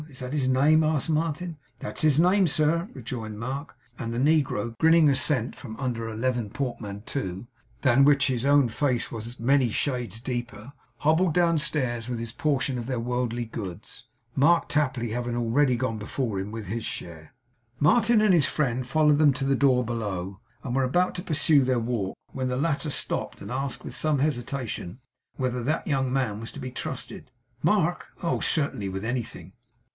'Is that his name?' asked Martin 'That's his name, sir,' rejoined Mark. And the negro grinning assent from under a leathern portmanteau, than which his own face was many shades deeper, hobbled downstairs with his portion of their worldly goods; Mark Tapley having already gone before with his share. Martin and his friend followed them to the door below, and were about to pursue their walk, when the latter stopped, and asked, with some hesitation, whether that young man was to be trusted? 'Mark! oh certainly! with anything.